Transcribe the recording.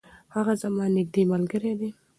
هغه زما نږدې ملګرې ده.